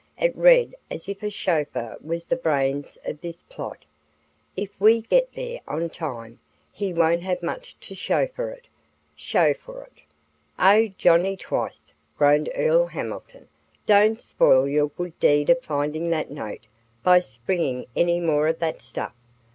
"It read as if a chauffeur was the brains of this plot. If we get there on time, he won't have much to chauffeur it" (show for it). "Oh, Johnny Twice!" groaned Earl Hamilton. "Don't spoil your good deed of finding that note by springing any more of that stuff.